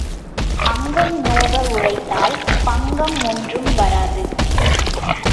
அங்கம் நோவ உழைத்தால் பங்கம் ஒன்றும் வராது.